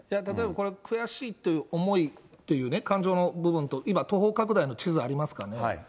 例えば、これ、悔しいという思いっていう、感情の部分と、今、東方拡大の地図ありますかね。